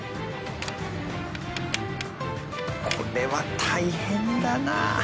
これは大変だな。